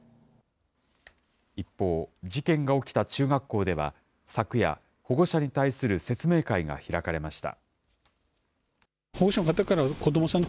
一方、事件が起きた中学校では昨夜、保護者に対する説明会が開かれました。